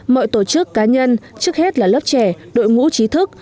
mọi tổ chức cá nhân trước hết là lớp trẻ đội ngũ trí thức